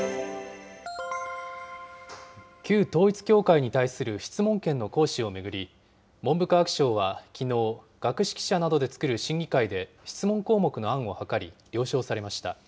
旧統一教会に対する質問権の行使を巡り、文部科学省はきのう、学識者などで作る審議会で質問項目の案を諮り、了承されました。